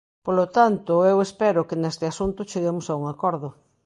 Polo tanto, eu espero que neste asunto cheguemos a un acordo.